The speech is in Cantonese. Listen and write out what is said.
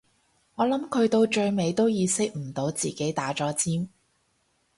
我諗佢到最尾都意識唔到自己打咗尖